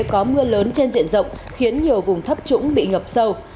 có mưa lớn trên diện rộng khiến nhiều vùng thấp trũng bị ngập sâu